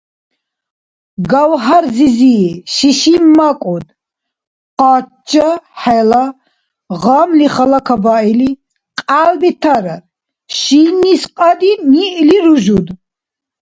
Гавгьар-зизи, шишиммакӀуд. Къача хӀела, гъамли халакабаили, кьял бетарар. Шиннис кьадин ниъли ружуд.